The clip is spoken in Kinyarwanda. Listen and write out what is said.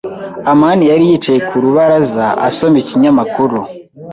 amani yari yicaye ku rubaraza, asoma ikinyamakuru.